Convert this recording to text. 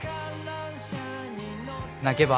泣けば？